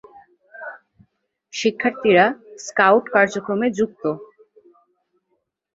শিক্ষার্থীরা স্কাউট কার্যক্রমে যুক্ত।